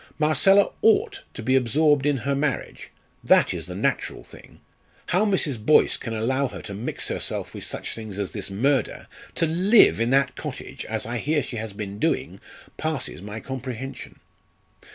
Marcella ought to be absorbed in her marriage; that is the natural thing. How Mrs. Boyce can allow her to mix herself with such things as this murder to live in that cottage, as I hear she has been doing, passes my comprehension."